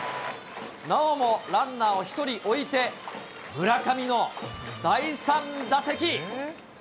なおもランナーを１人置いて、村上の第３打席。